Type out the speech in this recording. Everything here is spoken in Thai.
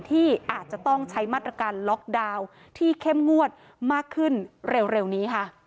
ที่อาจจะต้องใช้มาตรการล็อกดาวน์ที่เข้มงวดมากขึ้นเร็วนี้ค่ะ